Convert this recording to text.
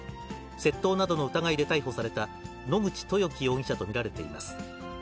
窃盗などの疑いで逮捕された、野口豊樹容疑者と見られています。